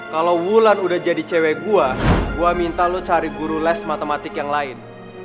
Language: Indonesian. kalau wulan udah jadi cewek gue gue minta lu cari guru les matematik yang lain